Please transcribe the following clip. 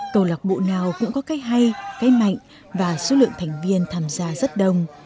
câu lạc bộ nào cũng có cái hay cái mạnh và số lượng thành viên tham gia rất đông